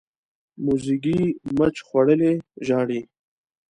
موزیګی مچ خوړلی ژاړي.